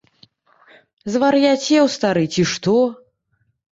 Звар'яцеў, стары, ці што?